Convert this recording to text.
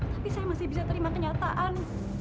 tapi saya masih bisa terima kenyataan